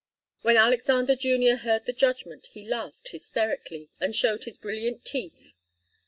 When Alexander Junior heard the judgment he laughed hysterically, and showed his brilliant teeth.